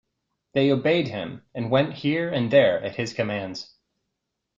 They obeyed him, and went here and there at his commands.